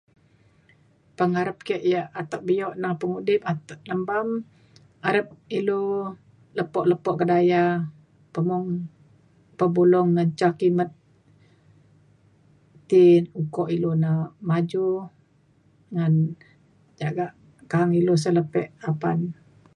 Pengarap ke yak atek bio neng pengudip ake nembam arep ilu lepo lepo kedaya pemung pebulong ngan ca kimet ti ukok ilu na maju ngan jagak ka’ang ilu selepek apan